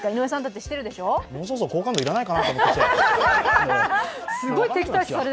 もうそろそろ好感度いらないかなと思ってきて。